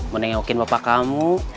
mending ngewakin bapak kamu